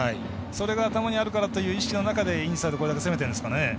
それが頭にあるからという意識の中でインサイドこれだけ攻めてるんですかね。